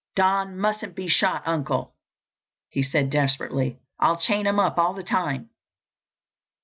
"Don mustn't be shot, Uncle!" he said desperately. "I'll chain him up all the time."